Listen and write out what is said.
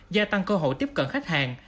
gia tăng cơ hội tiếp cận khách hàng